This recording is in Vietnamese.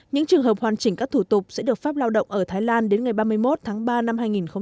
những trường hợp hoàn chỉnh các thủ tục sẽ được phép lao động ở thái lan đến ngày ba mươi một tháng ba năm hai nghìn hai mươi